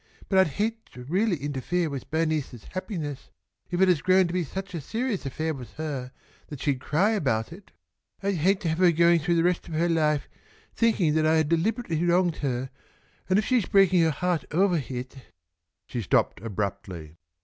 But I'd hate to really interfere with Bernice's happiness, if it has grown to be such a serious affair with her that she can cry about it. I'd hate to have her going through the rest of her life thinking that I had deliberately wronged her, and if she's breaking her heart ovah it" she stopped abruptly.